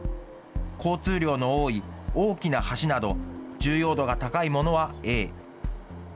交通量の多い大きな橋など重要度が高いものはＡ。